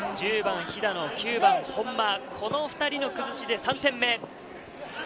１０番・肥田野、９番・本間、この２人の崩しで３点目。